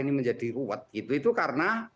ini menjadi ruwet itu itu karena